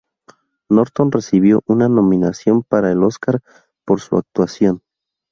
Norton recibió una nominación para el Óscar por su actuación.